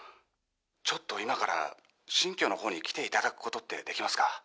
ちょっと今から新居のほうに来ていただくことってできますか？